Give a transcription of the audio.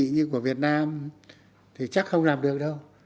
hệ thống chính trị của việt nam thì chắc không làm được đâu